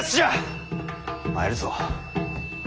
参るぞ。